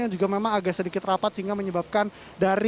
yang juga memang agak sedikit rapat sehingga menyebabkan dari